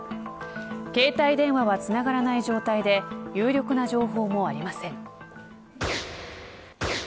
携帯電話はつながらない状態で有力な情報もありません。